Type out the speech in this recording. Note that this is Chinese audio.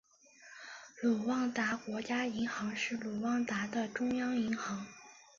卢旺达国家银行是卢旺达的中央银行。